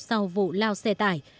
sau vụ lao xe tải